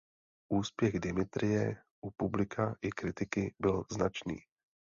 Úspěch "Dimitrije" u publika i kritiky byl značný.